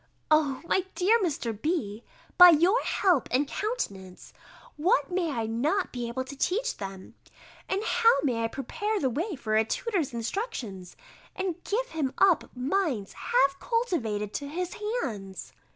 O, my dear Mr. B., by your help and countenance, what may I not be able to teach them, and how may I prepare the way for a tutor's instructions, and give him up minds half cultivated to his hands!